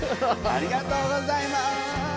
ありがとうございます！